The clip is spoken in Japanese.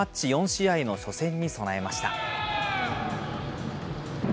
４試合の初戦に備えました。